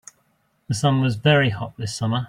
The sun was very hot this summer.